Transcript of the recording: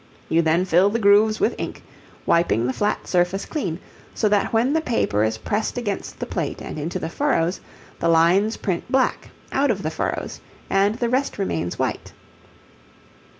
You then fill the grooves with ink, wiping the flat surface clean, so that when the paper is pressed against the plate and into the furrows, the lines print black, out of the furrows, and the rest remains white.